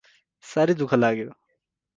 साह्रै दुःख लाग्यो!